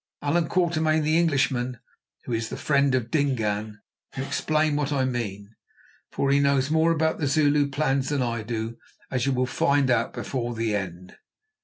Allan Quatermain, the Englishman, who is the friend of Dingaan, can explain what I mean, for he knows more about the Zulu plans than I do, as you will find out before the end."